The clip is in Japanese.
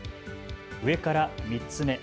上から３つ目。